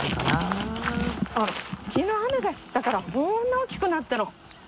きのう雨だったからこんな大きくなったの。